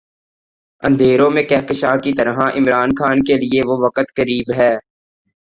اندھیروں میں کہکشاں کی طرح عمران خان کے لیے وہ وقت قریب ہے۔